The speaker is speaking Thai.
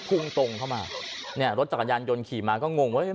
พุ่งตรงเข้ามาเนี่ยรถจักรยานยนต์ขี่มาก็งงว่า